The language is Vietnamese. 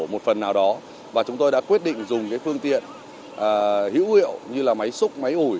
một phần nào đó và chúng tôi đã quyết định dùng cái phương tiện hữu hiệu như là máy xúc máy ủi